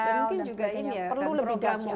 mungkin juga ini ya kan programnya